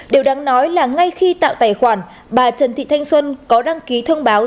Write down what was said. điều đáng nói là ngay khi tạo tài khoản bà trần thị thanh xuân có đăng ký thông báo